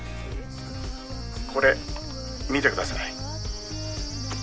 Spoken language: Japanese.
「これ見てください」「」